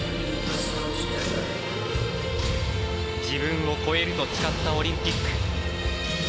自分を超えると誓ったオリンピック。